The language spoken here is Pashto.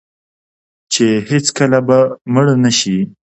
چې هیڅکله به مړ نشي.